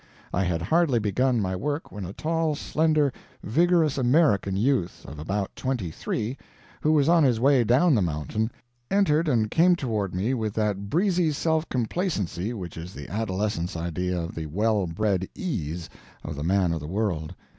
I had hardly begun my work when a tall, slender, vigorous American youth of about twenty three, who was on his way down the mountain, entered and came toward me with that breezy self complacency which is the adolescent's idea of the well bred ease of the man of the world.